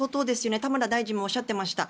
田村大臣もおっしゃってました。